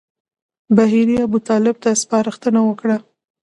بهیري ابوطالب ته سپارښتنه وکړه.